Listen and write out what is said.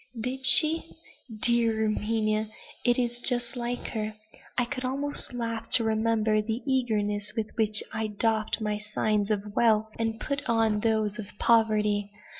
"Did she? dear Erminia! it is just like her. I could almost laugh to remember the eagerness with which I doffed my signs of wealth, and put on those of poverty.